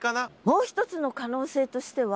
もう一つの可能性としては。